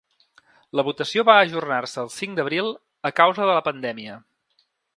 La votació va ajornar-se el cinc d’abril a causa de la pandèmia.